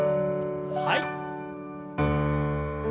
はい。